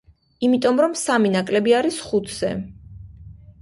იმიტომ, რომ სამი ნაკლები არის ხუთზე.